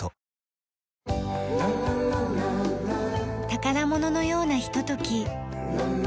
宝物のようなひととき。